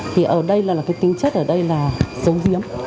thì ở đây là tính chất ở đây là dấu diếm